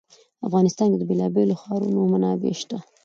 په افغانستان کې د بېلابېلو ښارونو منابع شته.